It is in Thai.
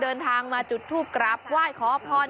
เดินทางมาจุดทูปกราบไหว้ขอพร